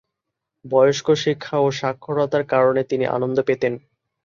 বয়স্ক শিক্ষা ও সাক্ষরতার কাজে তিনি আনন্দ পেতেন।